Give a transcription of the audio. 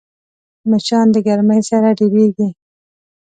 مچان د ګرمۍ سره ډېریږي